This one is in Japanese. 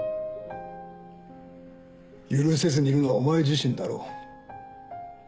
許せずにいるのはお前自身だろ。